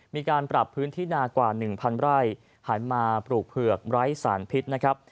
มีการปรับพื้นที่นากว่า๑๐๐ไร่หันมาปลูกเผือกไร้สารพิษนะครับ